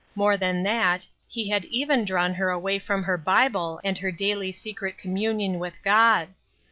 More than that, he had even drawn her away from her Bible and her daily secret communion with God.